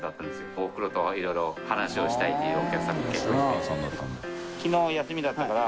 おふくろといろいろ話をしたいっていうお客さんが結構いて。